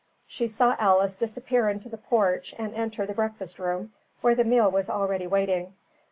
She saw Alice disappear into the porch and enter the breakfast room, where the meal was already waiting.